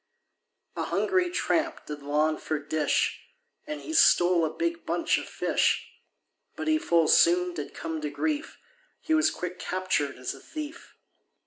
A hungry tramp did long for dish, And he stole a big bunch of fish, But he full soon did come to grief, He was quick captured as a thief.